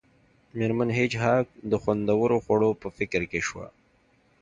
میرمن هیج هاګ د خوندورو خوړو په فکر کې شوه